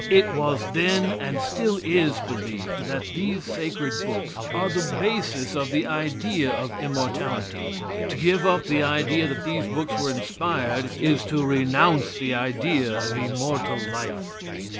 It was then and still is believed that these sacred books are the basis of the idea of immortality, to give up the idea that these books were inspired is and to renounce the idea of immortal life.